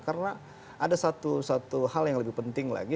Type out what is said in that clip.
karena ada satu hal yang lebih penting lagi